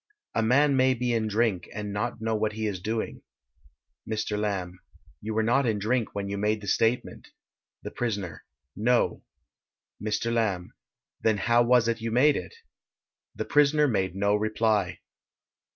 A man may be in drink and not know what he is doing. Mr. Lamb: You were not in drink when you made the statement. The prisoner: No. Mr. Lamb: Then how was it you made it? The prisoner made no reply.